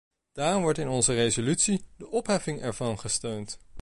Daarom wordt in onze resolutie de opheffing ervan gesteund.